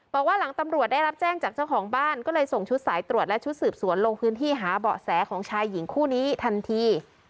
บอกว่าหลังตำรวจได้รับแจ้งจากเจ้าของบ้านก็เลยส่งชุดสายตรวจและชุดสืบสวนลงพื้นที่หาเบาะแสของชายหญิงคู่นี้ทันที